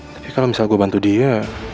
tapi kalau misalnya gue bantu dia